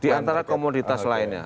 diantara komoditas lainnya